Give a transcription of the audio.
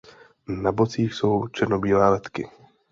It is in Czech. Na bocích jsou černobílé letky.